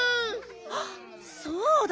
あっそうだ。